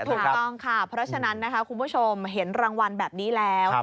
ถูกต้องค่ะเพราะฉะนั้นนะคะคุณผู้ชมเห็นรางวัลแบบนี้แล้ว